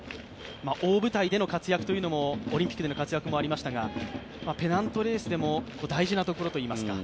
大舞台での活躍というのも、オリンピックでの活躍もありましたがペナントレースでも大事なところといいますか。